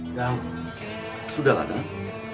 udah sudah lah gang